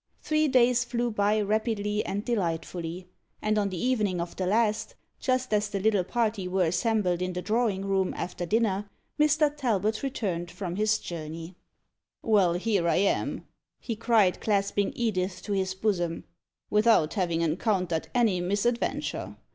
Three days flew by rapidly and delightfully; and on the evening of the last, just as the little party were assembled in the drawing room, after dinner, Mr. Talbot returned from this journey. "Well, here I am!" he cried, clasping Edith to his bosom, "without having encountered any misadventure.